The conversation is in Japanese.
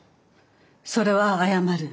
それは謝る。